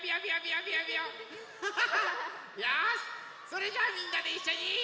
よしそれじゃみんなでいっしょに。